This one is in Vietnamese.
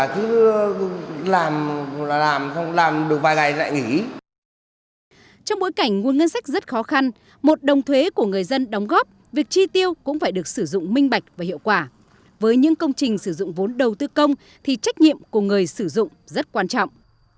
trong bối cảnh nguồn ngân sách rất khó khăn một đồng thuế của người dân đóng góp việc chi tiêu cũng phải được sử dụng minh bạch và hiệu quả với những công trình sử dụng vốn đầu tư công thì trách nhiệm của người sử dụng rất quan trọng